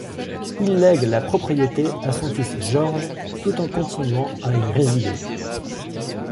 Il lègue la propriété à son fils George tout en continuant à y résider.